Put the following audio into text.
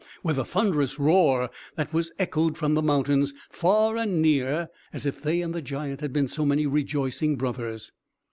ho! with a thunderous roar that was echoed from the mountains, far and near, as if they and the giant had been so many rejoicing brothers.